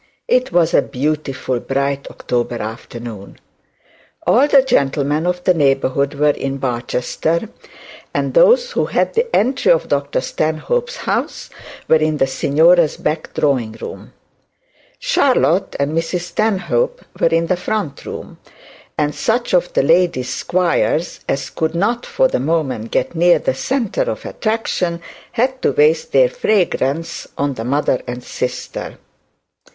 It was a beautifully bright October afternoon; all the gentlemen of the neighbourhood were in Barchester, and those who had the entry of Dr Stanhope's house were in the signora's back drawing room. Charlotte and Mrs Stanhope were in the front room, and such of the lady's squires as could not for the moment get near the centre of attraction had to waste their fragrance on the mother and sister.